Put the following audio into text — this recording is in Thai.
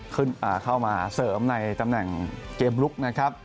เข้ามาเสริมในตำแหน่งเกมลุกนะครับ